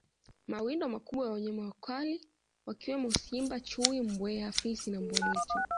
Mawindo makubwa ya wanyama wakali wakiwemo Simba Chui Mbweha Fisi na Mbwa mwitu